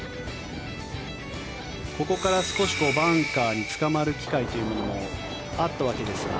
ここから少しバンカーにつかまる機会というのもあったわけですが。